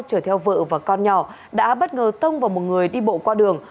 chở theo vợ và con nhỏ đã bất ngờ tông vào một người đi bộ qua đường